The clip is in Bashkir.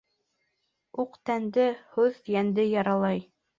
Уҡ тәнде, һүҙ йәнде яралай.